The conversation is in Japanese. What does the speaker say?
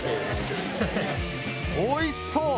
おいしそう。